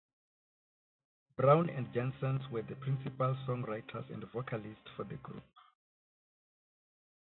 Brown and Jensen were the principal songwriters and vocalists for the group.